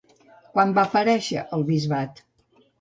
Quan va aparèixer el bisbat?